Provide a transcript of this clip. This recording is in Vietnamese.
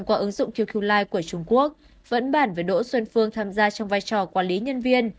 qua ứng dụng qq li của trung quốc vẫn bản về đỗ xuân phương tham gia trong vai trò quản lý nhân viên